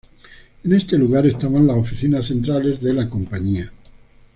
En este lugar estaban las oficinas centrales de la compañía.